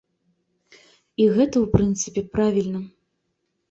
І гэта, у прынцыпе, правільна.